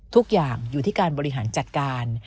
ทุกอย่างอยู่ที่การบริหารจัดการ